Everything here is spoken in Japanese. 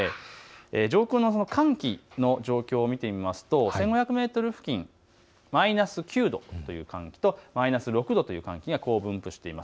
上空の寒気の状況を見ていきますと１５００メートル付近、マイナス９度という寒気とマイナス６度の寒気があります。